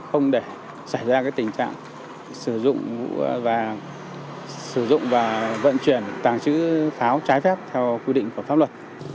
không để xảy ra tình trạng sử dụng và vận chuyển tàng trữ pháo trái phép theo quy định của pháp luật